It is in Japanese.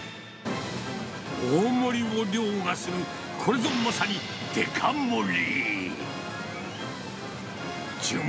大盛りをりょうがする、これぞまさにデカ盛り。